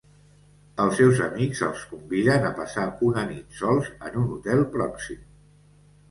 Els seus amics els conviden a passar una nit sols en un hotel pròxim.